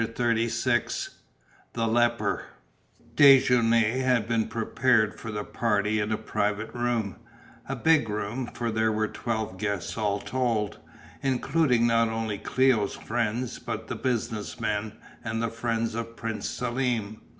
CHAPTER XXXVI THE LEPER Déjeuner had been prepared for the party in a private room, a big room, for there were twelve guests all told, including not only Cléo's friends but the business men, and the friends of Prince Selm.